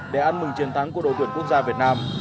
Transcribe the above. để ăn mừng chiến thắng của đội tuyển quốc gia việt nam